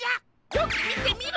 よくみてみろ！